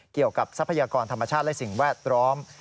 เกี่ยวกับทรัพยากรธรรมชาติและสิ่งแวดร้อม